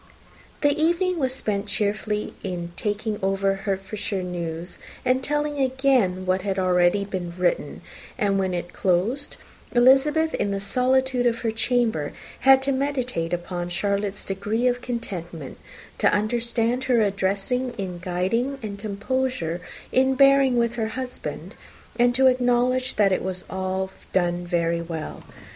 The evening was spent chiefly in talking over Hertfordshire news, and telling again what had been already written; and when it closed, Elizabeth, in the solitude of her chamber, had to meditate upon Charlotte's degree of contentment, to understand her address in guiding, and composure in bearing with, her husband, and to acknowledge that it was all done very well.